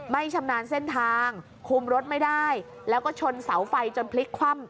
ชำนาญเส้นทางคุมรถไม่ได้แล้วก็ชนเสาไฟจนพลิกคว่ำ